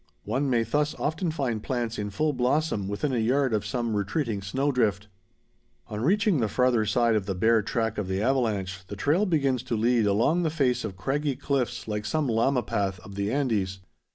One may thus often find plants in full blossom within a yard of some retreating snow drift. On reaching the farther side of the bare track of the avalanche, the trail begins to lead along the face of craggy cliffs like some llama path of the Andes.